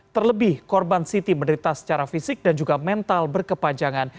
terlebih korban siti menderita secara fisik dan juga mental berkepanjangan